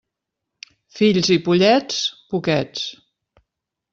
Fills i pollets, poquets.